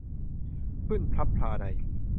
ขึ้นพลับพลาใน